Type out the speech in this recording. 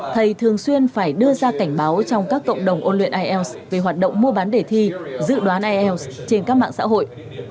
thầy thường xuyên phải đưa ra cảnh báo trong các cộng đồng ôn luyện ielts về hoạt động mua bán đề thi dự đoán ielts trên các mạng xã hội